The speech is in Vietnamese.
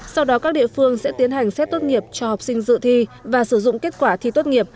sau đó các địa phương sẽ tiến hành xét tốt nghiệp cho học sinh dự thi và sử dụng kết quả thi tốt nghiệp